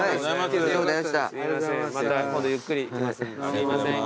すいません